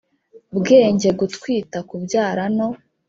Bwenge gutwita kubyara no